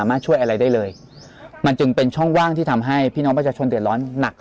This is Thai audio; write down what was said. มาช่วยอะไรได้เลยมันจึงเป็นช่องว่างที่ทำให้พี่น้องประชาชนเดือดร้อนหนัก